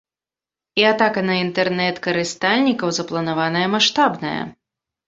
І атака на інтэрнэт-карыстальнікаў запланаваная маштабная.